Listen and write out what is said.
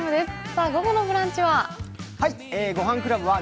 さあ、午後の「ブランチ」は？